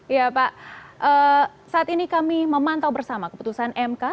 ya pak saat ini kami memantau bersama keputusan mk